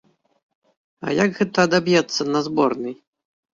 А як гэта адаб'ецца на зборнай?